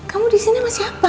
kamu di sini sama siapa